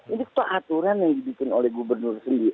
ini itu aturan yang dibikin oleh gubernur sendiri